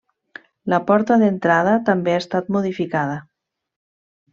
La porta d'entrada també ha estat modificada.